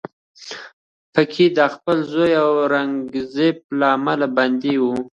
په کې د خپل زوی اورنګزیب له امله بندي و